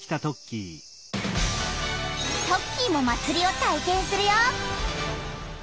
トッキーも祭りを体けんするよ！